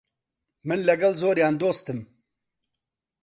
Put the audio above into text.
من لەگەڵ زۆریان دۆستم.